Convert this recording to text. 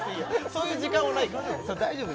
そういう時間はないから大丈夫？